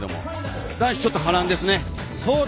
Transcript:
男子は、ちょっと波乱ですね。